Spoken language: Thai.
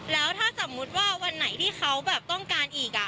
แล้วถ้าสมมุติว่าวันไหนที่เขาแบบต้องการอีก